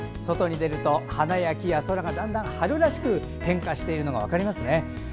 外に出ると花や木や空がだんだん春らしく変化しているのが分かりますね。